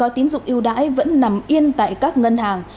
gói tín dụng ưu đãi vẫn nằm yên tại các ngân hàng